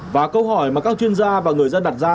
và câu hỏi mà các chuyên gia và người dân đặt ra